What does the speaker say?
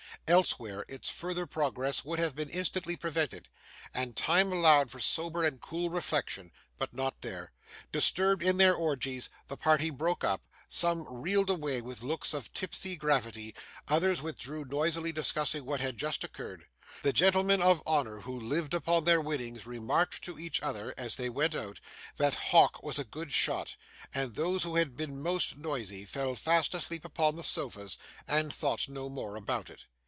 Elsewhere, its further progress would have been instantly prevented, and time allowed for sober and cool reflection; but not there. Disturbed in their orgies, the party broke up; some reeled away with looks of tipsy gravity; others withdrew noisily discussing what had just occurred; the gentlemen of honour who lived upon their winnings remarked to each other, as they went out, that Hawk was a good shot; and those who had been most noisy, fell fast asleep upon the sofas, and thought no more about it.